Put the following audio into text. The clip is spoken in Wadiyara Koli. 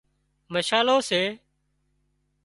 مشالو سي